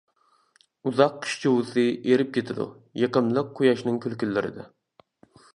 ئۇزاق قىش جۇۋىسى ئېرىپ كېتىدۇ، يېقىملىق قۇياشىڭ كۈلكىلىرىدە.